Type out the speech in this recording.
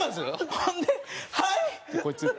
ほんで「はい！」ってこいつ言って。